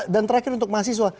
dan terakhir untuk mahasiswa